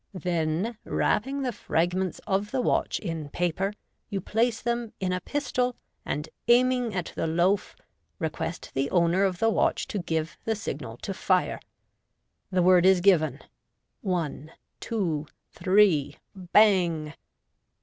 Then wrapping the fragments of the watch in paper, you place them iq a pistol, and, aiming at the loaf, request the owner of the watch to give the signal to fire. The word is given, " One, two, three — Bang